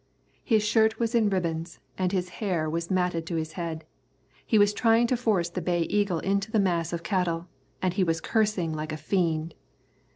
His shirt was in ribbons, and his hair was matted to his head. He was trying to force the Bay Eagle into the mass of cattle, and he was cursing like a fiend.